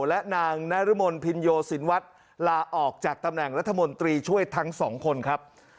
และนางนรมนภินโยสินวัฒน์ลาออกจากตำแหน่งรัฐมนตรีช่วยทั้งสองคนครับ